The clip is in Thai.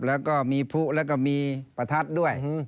แล้วก็มีผู้แล้วก็มีประทัดด้วย